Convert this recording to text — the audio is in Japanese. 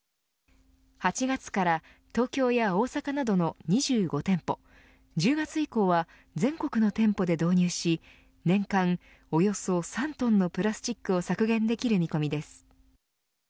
８月から東京や大阪などの２５店舗１０月以降は全国の店舗で導入し年間およそ３トンのプラスチックを削減できる見込みです。